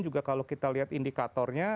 juga kalau kita lihat indikatornya